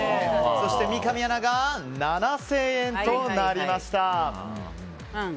そして三上アナが７０００円となりました。